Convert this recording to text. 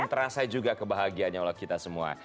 terasa juga kebahagiaan nya oleh kita semua